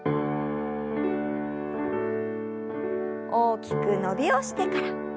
大きく伸びをしてから。